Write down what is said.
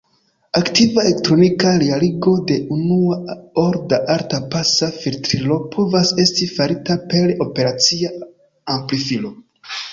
Aktiva elektronika realigo de unua-orda alta-pasa filtrilo povas esti farita per operacia amplifilo.